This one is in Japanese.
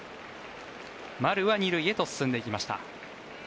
丸は２塁へと進んでいきました。